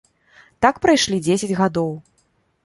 Так прайшлі дзесяць гадоў.